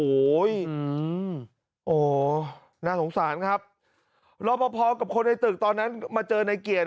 อืมอ๋อน่าสงสารครับเราพอพอกับคนในตึกตอนนั้นมาเจอในเกลี่ยนะ